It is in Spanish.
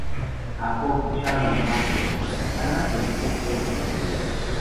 A Pope, Charlie, Mikel y Santana, les pilla fuera de comisaría.